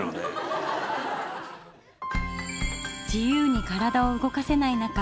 自由に体を動かせない中